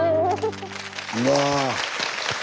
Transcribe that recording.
うわ！